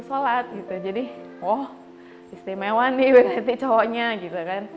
saya akan berharga